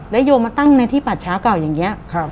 แล้วยมมาตั้งในที่ปาชาเก่าอย่างเงี้ย